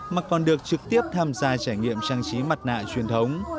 mà còn được trực tiếp tham gia trải nghiệm trang trí mặt nạ truyền thống